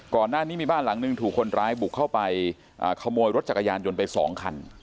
ก่อนหน้านี้มีบ้านหลังหนึ่งถูกคนร้ายบุกเข้าไปขโมยรถจักรยานยนต์ไป๒คัน